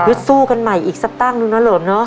ยุทธ์สู้กันใหม่อีกสัปดาห์นึงนะเริ่มเนอะ